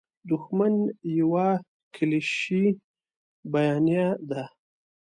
دوښمن یوه کلیشیي بیانیه ده.